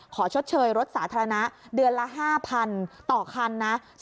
ชดเชยรถสาธารณะเดือนละ๕๐๐๐ต่อคันนะ